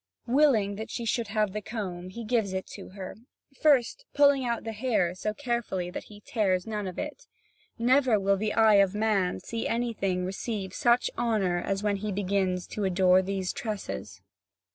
Willing that she should have the comb, he gives it to her, first pulling out the hair so carefully that he tears none of it. Never will the eye of man see anything receive such honour as when he begins to adore these tresses.